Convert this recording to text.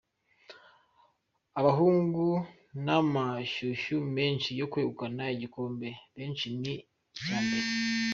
Abahungu n’amashyushyu menshi yo kwegukana igikombe, benshi ni icya mbere.